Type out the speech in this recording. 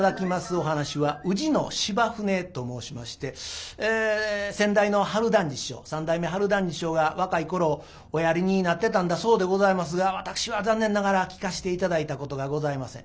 お噺は「宇治の柴舟」と申しまして先代の春団治師匠三代目春団治師匠が若い頃おやりになってたんだそうでございますが私は残念ながら聴かして頂いたことがございません。